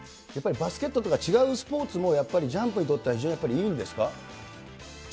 やっぱりバスケットとか違うスポーツも、やっぱりジャンプにとっては非常にいいんですか？